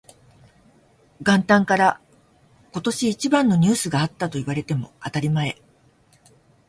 元旦から今年一番のニュースがあったと言われても当たり前